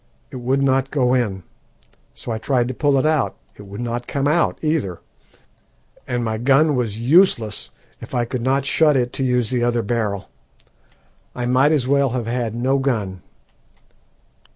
_ It would not go in, so I tried to pull it out. It would not come out either, and my gun was useless if I could not shut it to use the other barrel. I might as well have had no gun.